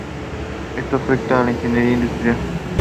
Esto afecta a la ingeniería industrial.